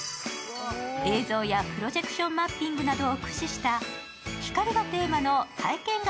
映像やプロジェクションマッピングなどを駆使した光がテーマの体験型